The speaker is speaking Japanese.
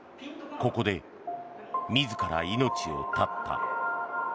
ここで自ら命を絶った。